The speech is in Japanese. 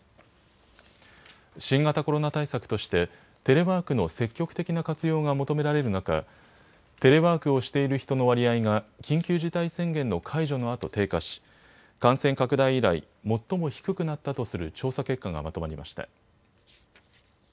新型コロナ対策としてテレワークの積極的な活用が求められる中、テレワークをしている人の割合が緊急事態宣言の解除のあと低下し感染拡大以来、最も低くなったとする調査結果がまとまりました。